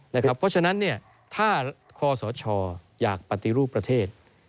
เพราะฉะนั้นถ้าคอสชอยากปฏิรูปประเทศ